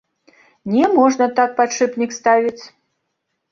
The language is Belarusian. Не можна так падшыпнік ставіць.